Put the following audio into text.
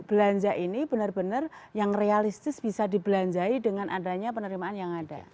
belanja ini benar benar yang realistis bisa dibelanjai dengan adanya penerimaan yang ada